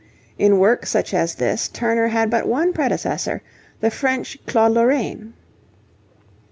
In work such as this, Turner had but one predecessor, the French Claude Lorraine.